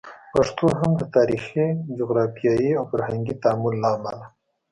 پښتو هم د تاریخي، جغرافیایي او فرهنګي تعامل له امله